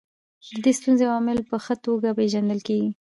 د دې ستونزې عوامل په ښه توګه پېژندل کیږي.